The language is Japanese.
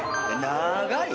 長い！